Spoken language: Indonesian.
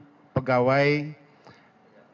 yang terjadi di kedokteran forensik